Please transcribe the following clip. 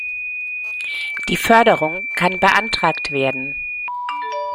Die Förderung kann beantragt werden.